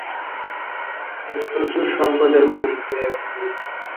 তিনি প্রচুর সম্পদের মালিক হয়ে ওঠেন।